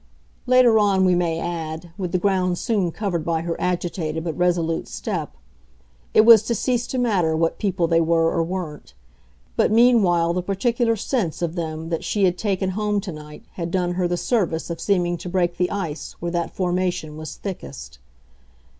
Later on, we may add, with the ground soon covered by her agitated but resolute step, it was to cease to matter what people they were or weren't; but meanwhile the particular sense of them that she had taken home to night had done her the service of seeming to break the ice where that formation was thickest.